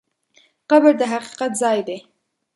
قبر د حقیقت ځای دی.